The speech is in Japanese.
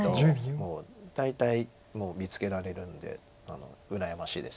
もう大体見つけられるんで羨ましいです。